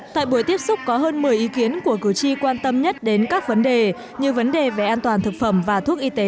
tại buổi tiếp xúc có hơn một mươi ý kiến của cử tri quan tâm nhất đến các vấn đề như vấn đề về an toàn thực phẩm và thuốc y tế